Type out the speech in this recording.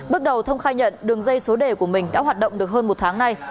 bước đầu thông khai nhận đường dây số đề của mình đã hoạt động được hơn một tháng nay